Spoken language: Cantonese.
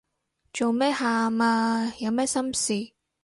做咩喊啊？有咩心事